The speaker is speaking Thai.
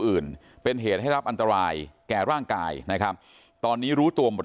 อื่นเป็นเหตุให้รับอันตรายแก่ร่างกายนะครับตอนนี้รู้ตัวหมด